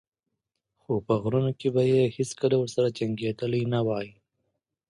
خو په غرونو کې به یې هېڅکله ورسره جنګېدلی نه وای.